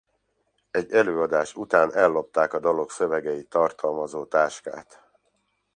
Egy előadás után ellopták a dalok szövegeit tartalmazó táskát.